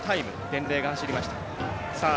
伝令が走りました。